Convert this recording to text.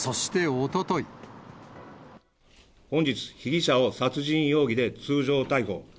本日、被疑者を殺人容疑で通常逮捕。